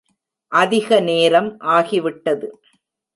அதிக நேரம் ஆகிவிட்டது.